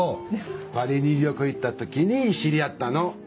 パリに旅行行った時に知り合ったの。